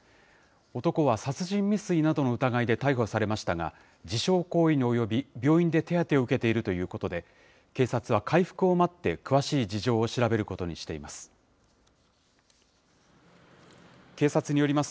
男は殺人未遂などの疑いで逮捕されましたが、自傷行為に及び、病院で手当てを受けているということで、警察は回復を待って、詳しい事情を調べることにしています。